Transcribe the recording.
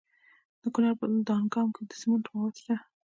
د کونړ په دانګام کې د سمنټو مواد شته.